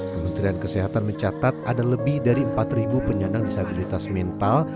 kementerian kesehatan mencatat ada lebih dari empat penyandang disabilitas mental